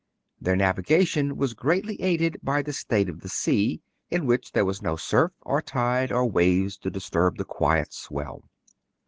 Their navigation was greatly aided by the state of the sea, in which there was no surf or tide or waves to disturb the quiet swell.